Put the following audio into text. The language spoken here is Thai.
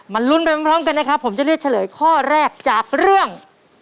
ลุ้นไปพร้อมกันนะครับผมจะเลือกเฉลยข้อแรกจากเรื่อง